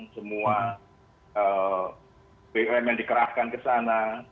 semua bumn yang dikerahkan ke sana